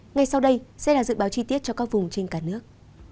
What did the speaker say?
ngay sau đây sẽ là dự báo chi tiết cho các vùng trên cả nước